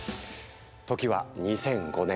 時は２００５年。